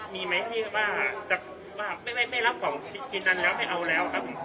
มีไหมที่ว่าจะว่าไม่ไม่ไม่รับของชิ้นนั้นแล้วไม่เอาแล้วครับผม